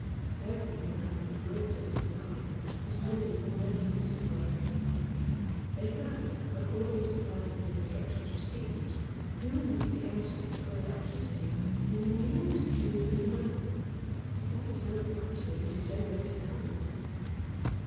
Every man who had worked at the design was more or less mystified. They had, according to plan and instructions received, "plumed" the airship for electricity in a new and curious manner, but there was no battery to generate a current.